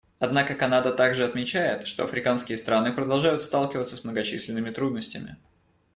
Однако Канада также отмечает, что африканские страны продолжают сталкиваться с многочисленными трудностями.